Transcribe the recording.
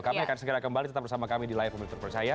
kami akan segera kembali tetap bersama kami di layar pemilu terpercaya